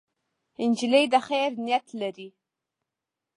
نجلۍ د خیر نیت لري.